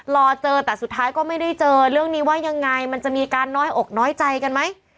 รอเจอแต่สุดท้ายก็ไม่ได้เจอเรื่องนี้ว่ายังไงมันจะมีการน้อยอกน้อยใจกันไหม